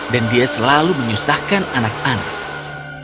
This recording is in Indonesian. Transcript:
dan dia selalu menyusahkan anak anaknya